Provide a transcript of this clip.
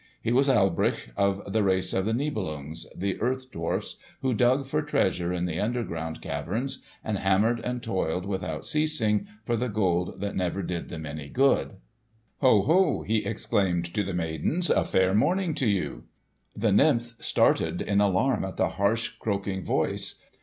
He was Alberich, of the race of the Nibelungs—the earth dwarfs who dug for treasure in the underground caverns, and hammered and toiled without ceasing for the gold that never did them any good. "Ho, ho!" he exclaimed to the maidens. "A fair morning to you!" The nymphs started in alarm at the harsh, croaking voice.